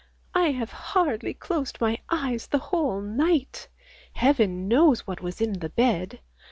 "I have hardly closed my eyes the whole night! Heaven knows what was in the bed.